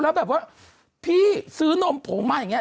แล้วแบบว่าพี่ซื้อนมผงมาอย่างนี้